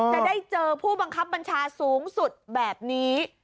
จะได้เจอผู้บังคับบัญชาสูงสุดแบบนี้